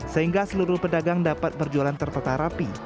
sehingga seluruh pedagang dapat berjualan terpeta rapi